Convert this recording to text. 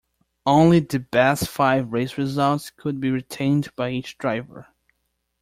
Only the best five race results could be retained by each driver.